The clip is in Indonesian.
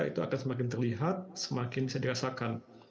itu akan semakin terlihat semakin bisa dirasakan